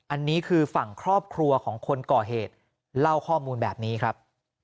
อันนี้คือฝั่งครอบครัวของคนก่อเหตุเล่าข้อมูลแบบนี้ครับ